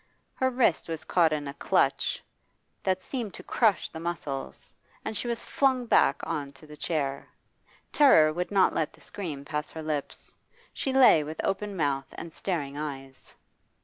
Her wrist was caught in a clutch that seemed to crush the muscles, and she was flung back on to the chair. Terror would not let the scream pass her lips: she lay with open mouth and staring eyes.